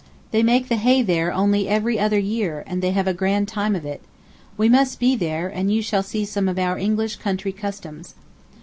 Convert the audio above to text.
They make the hay there only every other year, and they have a grand time of it. We must be there, and you shall see some of our English country customs."